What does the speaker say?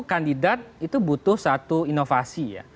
kandidat itu butuh satu inovasi ya